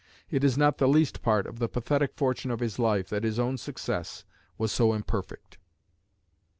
It is not the least part of the pathetic fortune of his life that his own success was so imperfect.